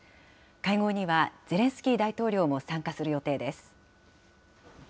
会合にはゼレンスキー大統領も参加する予定です。